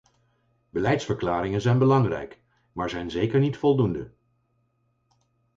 Beleidsverklaringen zijn belangrijk, maar zijn zeker niet voldoende.